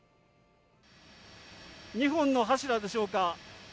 ２本の柱でしょうか。